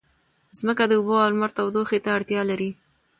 ځمکه د اوبو او لمر تودوخې ته اړتیا لري.